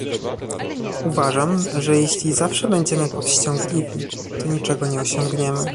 Uważam, że jeśli zawsze będziemy powściągliwi, to niczego nie osiągniemy